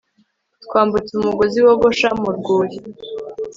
twambutse umugozi wogosha mu rwuri